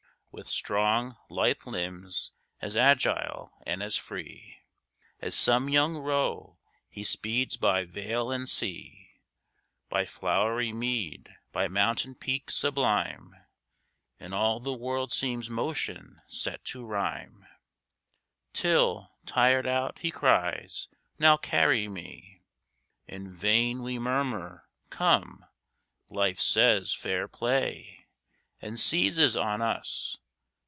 With strong, lithe limbs, as agile and as free, As some young roe, he speeds by vale and sea, By flowery mead, by mountain peak sublime, And all the world seems motion set to rhyme, Till, tired out, he cries, "Now carry me!" In vain we murmur; "Come," Life says, "Fair play!" And seizes on us.